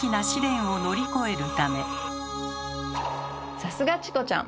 さすがチコちゃん！